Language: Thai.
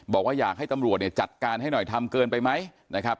บอกว่าอยากให้ตำรวจเนี่ยจัดการให้หน่อยทำเกินไปไหมนะครับ